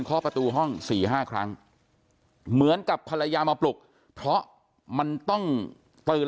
ข้อประตูห้อง๔๕ครั้งเหมือนกับภรรยามาปลุกเพราะมันต้องตื่น